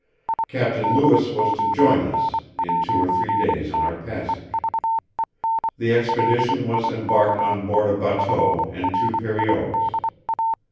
Captain Lewis was to join us in two or three days on our passage.... The expedition was embarked on board a batteau and two periogues.